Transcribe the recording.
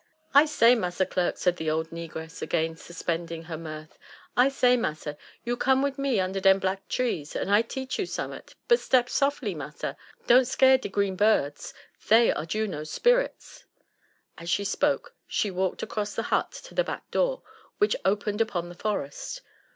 '*I say, massa clerk," said the old negress, again suspending her mirth,—*' I say, massa, you come wid me under dem black trees, and I teach you summat;— *but step softly, massa— don't scare de green birds — they are Juno's spirits.'' As she spoke, she walked across the hut to the back door, which opened upon the forest.